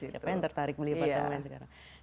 siapa yang tertarik beli apartemen sekarang